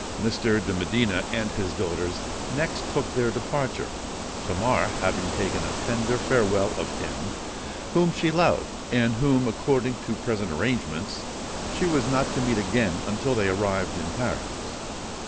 Mr. de Medina and his daughters next took their departure, Tamar having taken a tender farewell of him whom she loved, and whom, according to present arrangements, she was not to meet again until they arrived in Paris.